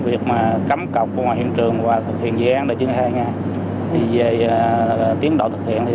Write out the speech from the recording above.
việc mà cấm cọc của ngoài hiện trường và thực hiện dự án để chứng thai ngay về tiến độ thực hiện thì